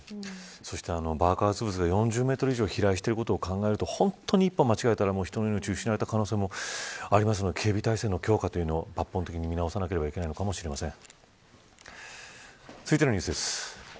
そして爆発物が４０メートル以上飛来していることを考えると本当に一歩間違えば人の命が失われた可能性もあるので警備体制の強化を抜本的に見直すべきなのかもしれません。